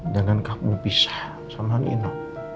dengan kamu pisah sama nino